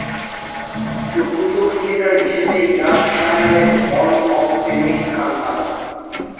চতুর্থ ক্রিকেটার হিসেবে ইয়র্কশায়ারের হল অব ফেমে স্থান পান।